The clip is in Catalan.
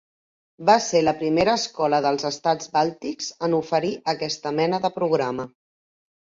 Va ser la primera escola dels estats bàltics en oferir aquesta mena de programa.